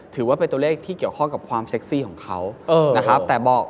ถือว่าเป็นตัวเลขที่เกี่ยวข้องกับความเซ็กซี่ของเขานะครับแต่บอก